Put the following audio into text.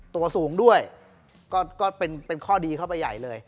ตัวสูงด้วยก็เป็นข้อดีเข้าไปใหญ่เลย